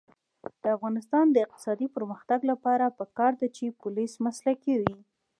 د افغانستان د اقتصادي پرمختګ لپاره پکار ده چې پولیس مسلکي وي.